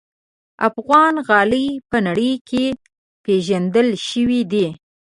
افغان غالۍ په نړۍ کې پېژندل شوي دي.